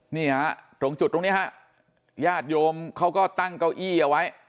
นี่ฮะตรงจุดตรงนี้ฮะญาติโยมเขาก็ตั้งเก้าอี้เอาไว้